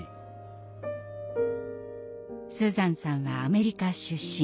スーザンさんはアメリカ出身。